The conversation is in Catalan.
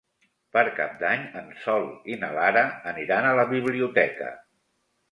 Per Cap d'Any en Sol i na Lara aniran a la biblioteca.